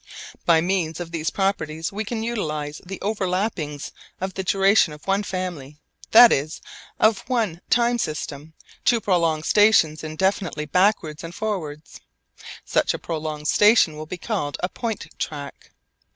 By means of these properties we can utilise the overlappings of the durations of one family that is, of one time system to prolong stations indefinitely backwards and forwards. Such a prolonged station will be called a point track.